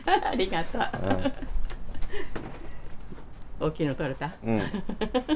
大きいの取れた？